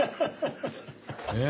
ねぇ